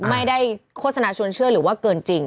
โฆษณาชวนเชื่อหรือว่าเกินจริง